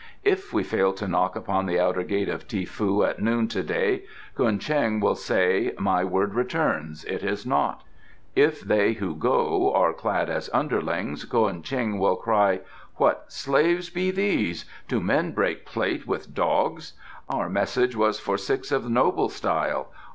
If we fail to knock upon the outer gate of Ti foo at noon to day Ko'en Cheng will say: 'My word returns. It is as naught.' If they who go are clad as underlings, Ko'en Cheng will cry: 'What slaves be these! Do men break plate with dogs? Our message was for six of noble style.